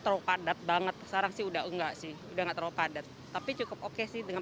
terlalu padat banget sekarang sih udah enggak sih udah nggak terlalu padat tapi cukup oke sih dengan